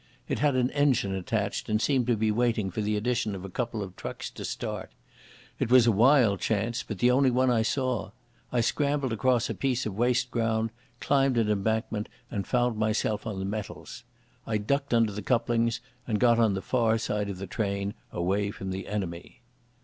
It had an engine attached and seemed to be waiting for the addition of a couple of trucks to start. It was a wild chance, but the only one I saw. I scrambled across a piece of waste ground, climbed an embankment and found myself on the metals. I ducked under the couplings and got on the far side of the train, away from the enemy.